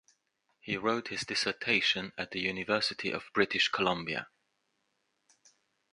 He wrote his dissertation at the University of British Columbia.